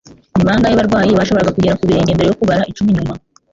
Ni bangahe barwanyi bashoboraga kugera ku birenge mbere yo kubara icumi nyuma